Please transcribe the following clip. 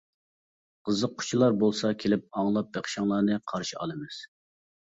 قىزىققۇچىلار بولسا كېلىپ ئاڭلاپ بېقىشىڭلارنى قارشى ئالىمىز!